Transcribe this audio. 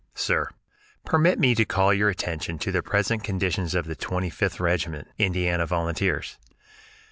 Sir: Permit me to call your attention to the present condition of the Twenty fifth Regiment, Indiana Volunteers.